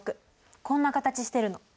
こんな形してるの。